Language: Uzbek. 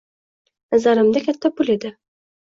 Nazarimda katta pul edi.